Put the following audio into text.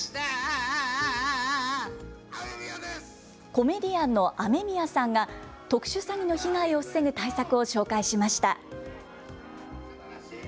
コメディアンのＡＭＥＭＩＹＡさんが特殊詐欺の被害を防ぐ対策を紹介しました。